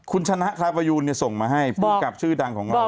คุณชนะครับประยูนส่งมาให้ภูมิกับชื่อดังของเรา